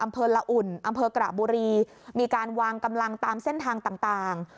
อำเภอละอุ่นอำเภอกระบุรีมีการวางกำลังตามเส้นทางต่าง